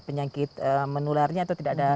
penyakit menularnya atau